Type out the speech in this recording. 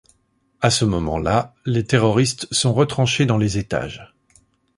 À ce moment-là, les terroristes sont retranchés dans les étages.